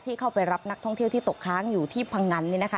เข้าไปรับนักท่องเที่ยวที่ตกค้างอยู่ที่พังงัน